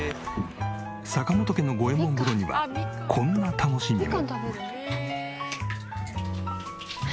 坂本家の五右衛門風呂にはこんな楽しみも。